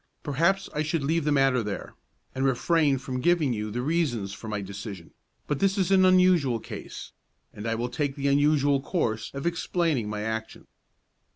Perhaps I should leave the matter there, and refrain from giving you the reasons for my decision; but this is an unusual case, and I will take the unusual course of explaining my action.